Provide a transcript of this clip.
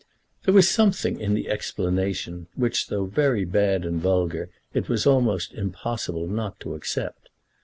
There was something in the explanation which, though very bad and vulgar, it was almost impossible not to accept.